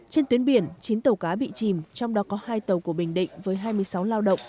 trên tuyến biển chín tàu cá bị chìm trong đó có hai tàu của bình định với hai mươi sáu lao động